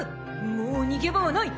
もう逃げ場はない。